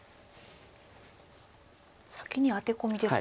先にアテコミですか。